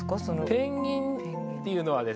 ペンギンっていうのはですね